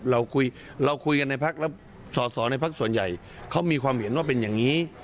เราคุยเราคุยกันในพักแล้วสอสอในพักส่วนใหญ่เขามีความเห็นว่าเป็นอย่างนี้